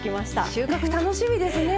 いや収穫楽しみですね。